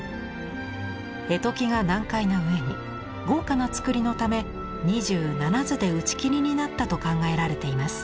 絵解きが難解なうえに豪華な作りのため２７図で打ち切りになったと考えられています。